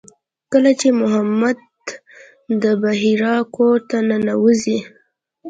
کله چې محمد د بحیرا کور ته ننوځي.